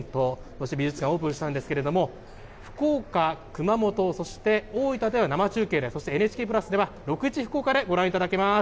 そして美術館、オープンしたんですけれども、福岡、熊本、そして大分では生中継で、そしてＮＨＫプラスでは、でご覧いただけます。